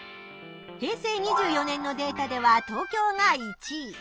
平成２４年のデータでは東京が１位。